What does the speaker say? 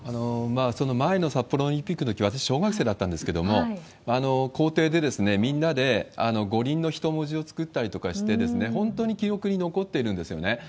その前の札幌オリンピックのとき、私、小学生だったんですけど、校庭でみんなで五輪の人文字を作ったりして、本当に記憶に残ってるんですよね。